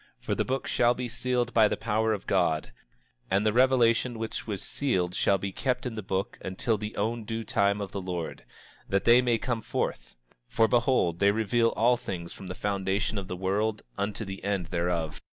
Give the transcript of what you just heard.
For the book shall be sealed by the power of God, and the revelation which was sealed shall be kept in the book until the own due time of the Lord, that they may come forth; for behold, they reveal all things from the foundation of the world unto the end thereof.